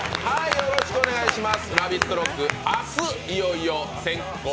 よろしくお願いします。